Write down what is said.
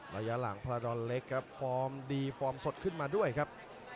ระยะหลังพระดอนเล็กครับฟอร์มดีฟอร์มสดขึ้นมาด้วยครับ